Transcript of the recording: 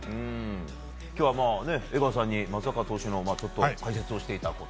今日は江川さんに松坂投手の解説をしていただくと。